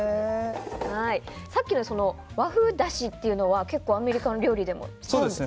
さっきの和風だしというのは結構アメリカの料理でも使うんですか？